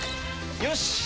よし！